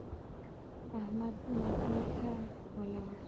احمد ناپېښه ولاړ.